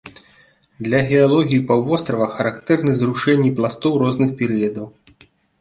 Для геалогіі паўвострава характэрны зрушэнні пластоў розных перыядаў.